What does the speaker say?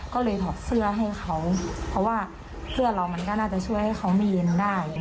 ก็เลยถอดเสื้อให้เขาเพราะว่าเสื้อเรามันก็น่าจะช่วยให้เขาไม่เย็นได้